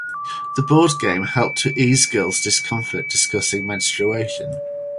The board game helped to ease girls’ discomfort discussing menstruation.